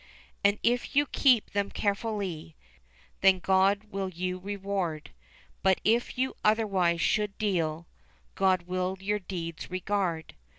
"And if you keep them carefully. Then God will you reward ; But if you otherwise should deal, God will your deeds regard."